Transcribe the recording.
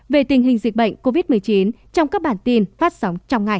về tình hình dịch bệnh covid một mươi chín trong các bản tin phát sóng trong ngày